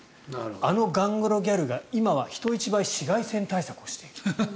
あのガングロギャルが今人一倍紫外線対策をしている。